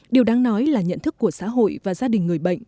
điều đáng nói là nhận thức của xã hội và gia đình người bệnh